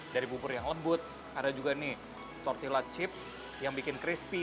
dari bubur yang lembut ada juga nih tortilla chip yang bikin crispy